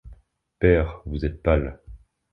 Père, vous êtes pâle.